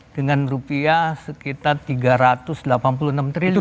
dengan rupiah sekitar rp tiga ratus delapan puluh enam triliun